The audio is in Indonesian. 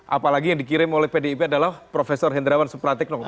apalagi yang dikirim oleh pdib adalah prof hendrawan suprateknon